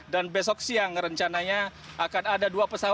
dan besok siang rencananya akan ada dua pesawat lagi